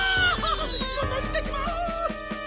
しごといってきます！